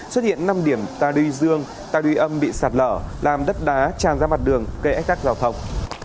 xuất hiện năm điểm ta đuôi dương ta đuôi âm bị sạt lở làm đất đá tràn ra mặt đường gây ách tắc giao thông